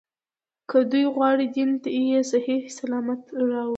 که دوی غواړي دین یې صحیح سلامت راووځي.